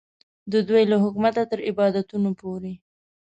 د دوی له حکومته تر عبادتونو پورې.